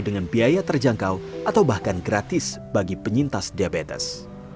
dengan biaya terjangkau atau bahkan gratis bagi penyintas diabetes